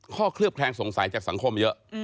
เคลือบแคลงสงสัยจากสังคมเยอะ